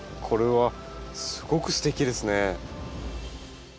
これはすごくすてきですね。